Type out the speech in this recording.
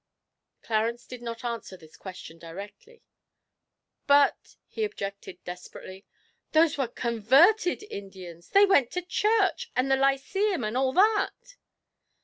Clarence did not answer this question directly: 'But,' he objected desperately, 'those were converted Indians. They went to church, and the Lyceum, and all that!'